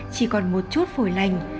chỉ còn một chút phổi lành